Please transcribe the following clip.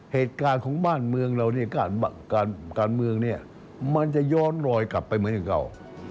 เหตุการณ์ของบ้านเมืองเรามันจะย้อนรอยกลับไปเหมือนเก่า